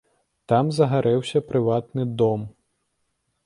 Там загарэўся прыватны дом.